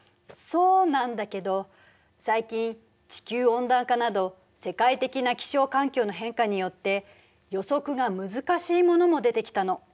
そうなんだけど最近地球温暖化など世界的な気象環境の変化によって予測が難しいものも出てきたの。